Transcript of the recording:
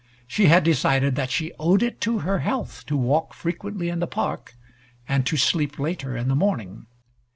She had decided that she owed it to her health to walk frequently in the park, and to sleep later in the morning.